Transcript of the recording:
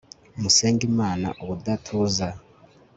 musenge imana ubudatuza